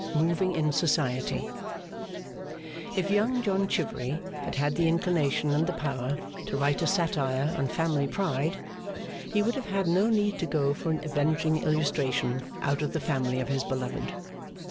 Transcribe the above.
Moving in Society If Young John Chivery had had the inclination and the power to write a satire on family pride, he would have had no need to go for an avenging illustration out of the family of his beloved.